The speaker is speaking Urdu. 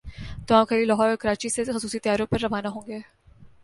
تمام کھلاڑی لاہور اور کراچی سے خصوصی طیاروں پر روانہ ہوں گے